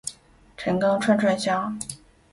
陈钢串串香